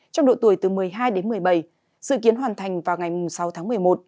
trong độ tuổi từ một mươi hai đến một mươi bảy dự kiến hoàn thành vào ngày sáu tháng một mươi một